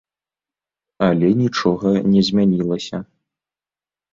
Але нічога не змянілася.